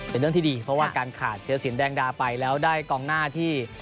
เป็นเรื่องที่ดีเพราะว่าการขาดธิรสินแดงดาไปแล้วได้กองหน้าที่